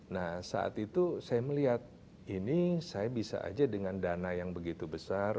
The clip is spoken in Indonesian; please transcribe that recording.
nah saat itu saya melihat ini saya bisa aja dengan dana yang begitu besar